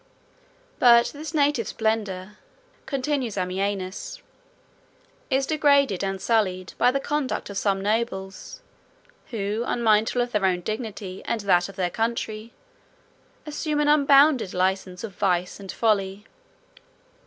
But this native splendor," continues Ammianus, "is degraded, and sullied, by the conduct of some nobles, who, unmindful of their own dignity, and of that of their country, assume an unbounded license of vice and folly.